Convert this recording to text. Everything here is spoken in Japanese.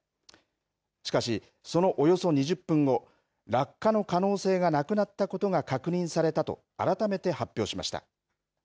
しかし、その２０分後落下の可能性がなくなったことが確認されたと改めて発表しました。